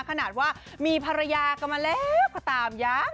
ขนาดว่ามีภรรยาก็มาเล็กพระตามย้าง